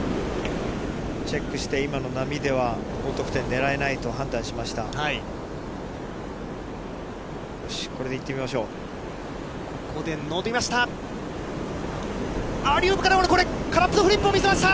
チェックして今の波では高得点狙えないと判断しました。